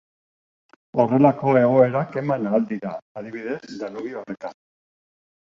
Horrelako egoerak eman ahal dira, adibidez, Danubio errekan.